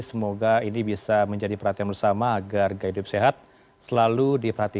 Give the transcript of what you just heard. semoga ini bisa menjadi perhatian bersama agar gaya hidup sehat selalu diperhatikan